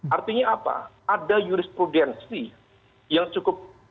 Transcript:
artinya apa ada jurisprudensi yang cukup